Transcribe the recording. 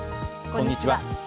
こんにちは。